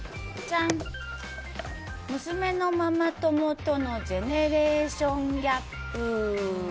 娘のママ友とのジェネレーションギャップ。